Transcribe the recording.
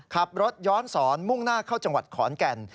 ขับรถย้อนสอนมุ่งหน้าเข้าจังหวัดขอนแก่น